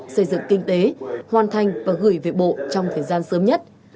xây dựng kinh tế hoàn thành và gửi về bộ trong thời gian sớm nhất